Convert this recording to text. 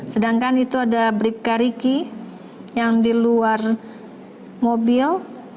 sedangkan itu ada brief kariki yang di luar mobil